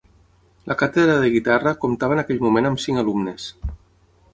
La càtedra de guitarra comptava en aquell moment amb cinc alumnes.